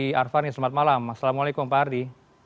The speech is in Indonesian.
pak arfani selamat malam assalamualaikum pak ardi